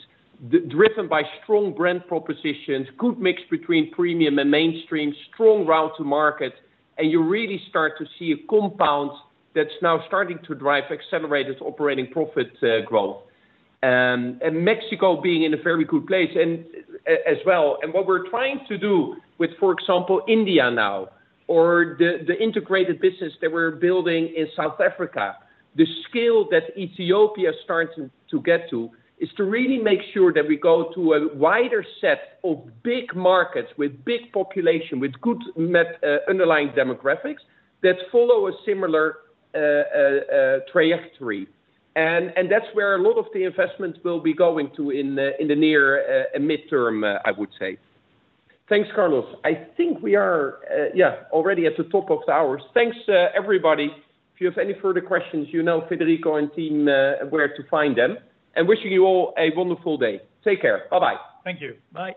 driven by strong brand propositions, good mix between premium and mainstream, strong route to market, and you really start to see a compound that's now starting to drive accelerated operating profit growth. And Mexico being in a very good place as well. And what we're trying to do with, for example, India now, or the integrated business that we're building in South Africa, the scale that Ethiopia is starting to get to, is to really make sure that we go to a wider set of big markets, with big population, with good net underlying demographics, that follow a similar trajectory. That's where a lot of the investment will be going to in the near and midterm, I would say. Thanks, Carlos. I think we are, yeah, already at the top of the hour. Thanks, everybody. If you have any further questions, you know Federico and team, where to find them. Wishing you all a wonderful day. Take care. Bye-bye. Thank you. Bye.